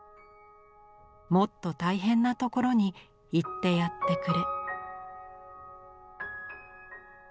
「もっと大変な所に行ってやってくれ」。